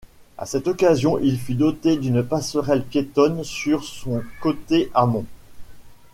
À cette occasion il fut doté d'une passerelle piétonne sur son côté amont.